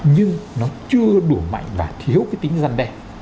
nhưng nó chưa đủ mạnh và thiếu cái tính răn đe